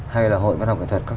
hay là hội văn học quyền thuật